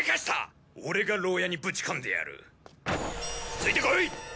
ついてこい！